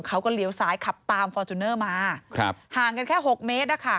เขาก็เหลวซ้ายขับตามฟอร์จูนเนอร์มาห่างกันแค่๖เมตรค่ะ